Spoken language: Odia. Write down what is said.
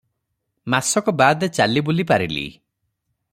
ମାସକ ବାଦେ ଚାଲିବୁଲି ପାରିଲି ।